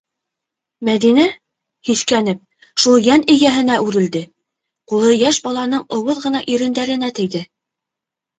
Мәҙинә, һиҫкәнеп, шул йән эйәһенә үрелде: ҡулы йәш баланың ыуыҙ ғына ирендәренә тейҙе.